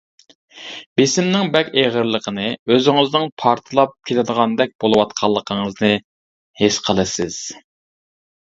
بېسىمنىڭ بەك ئېغىرلىقىنى، ئۆزىڭىزنىڭ پارتلاپ كېتىدىغاندەك بولۇۋاتقانلىقىڭىزنى ھېس قىلىسىز.